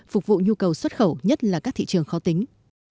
phục vụ nhu cầu xuất khẩu nhất là các thị trường khó tính